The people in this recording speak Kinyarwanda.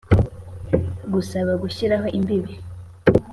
gusaba gushyiraho imbibi